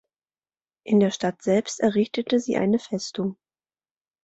In der Stadt selbst errichtete sie eine Festung.